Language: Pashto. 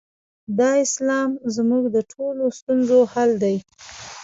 دا اسلام زموږ د ټولو ستونزو حل دی.